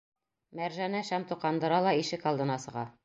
Мәржәнә шәм тоҡандыра ла ишек алдына сыға.